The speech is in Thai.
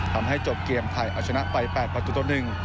ทำให้จบเกมไทยเอาชนะไป๘ประตูต่อ๑